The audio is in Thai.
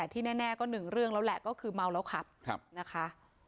ที่แน่ก็หนึ่งเรื่องแล้วแหละก็คือเมาแล้วขับนะคะ